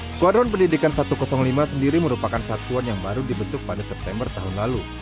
skuadron pendidikan satu ratus lima sendiri merupakan satuan yang baru dibentuk pada september tahun lalu